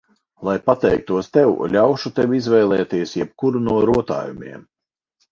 Lai pateiktos tev, ļaušu tev izvēlēties jebkuru no rotājumiem.